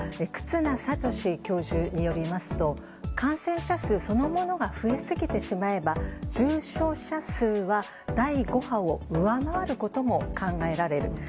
忽那賢志教授によりますと感染者数そのものが増えすぎてしまえば重症者数は第５波を上回ることも考えられる。